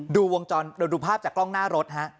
ดูภาพจากกล้องหน้ารถ